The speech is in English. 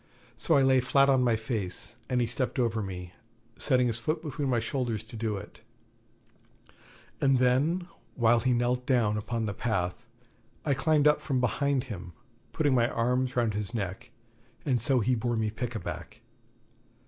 So I lay flat on my face, and he stepped over me, setting his foot between my shoulders to do it; and then, while he knelt down upon the path, I climbed up from behind upon him, putting my arms round his neck; and so he bore me 'pickaback'.